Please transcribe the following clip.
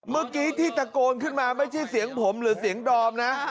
เมื่อกี้ที่ตะโกนขึ้นมาไม่ใช่เสียงผมหรือเสียงดอมนะ